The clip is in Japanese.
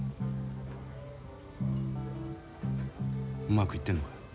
うまくいってんのかい？